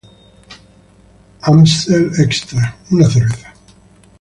Amstel Extra.